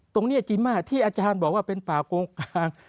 ตรงนี้จีน่าที่อาจารย์บอกว่าเป็นป่าโกงกลาง